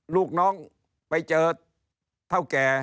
ลูกน้องไปเจอเท่าแก่